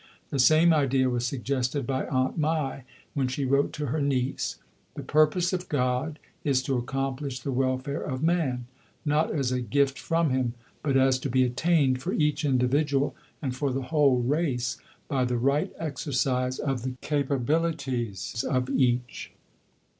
The same idea was suggested by Aunt Mai when she wrote to her niece: "The purpose of God is to accomplish the welfare of man, not as a gift from Him, but as to be attained for each individual and for the whole race by the right exercise of the capabilities of each."